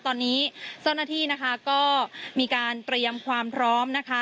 ตอนนี้เจ้าหน้าที่นะคะก็มีการเตรียมความพร้อมนะคะ